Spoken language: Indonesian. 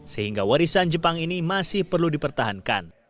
sehingga warisan jepang ini masih perlu dipertahankan